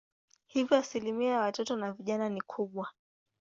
Hivyo asilimia ya watoto na vijana ni kubwa.